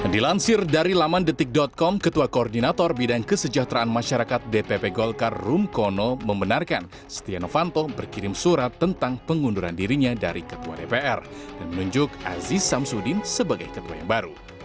dilansir dari laman detik com ketua koordinator bidang kesejahteraan masyarakat dpp golkar rum kono membenarkan setia novanto berkirim surat tentang pengunduran dirinya dari ketua dpr dan menunjuk aziz samsudin sebagai ketua yang baru